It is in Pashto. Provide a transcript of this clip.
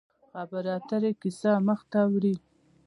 خبرې اترې کیسه مخ ته وړي.